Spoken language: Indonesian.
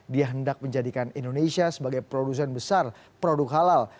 dia hendak menjadikan indonesia sebagai produsen besar produk halal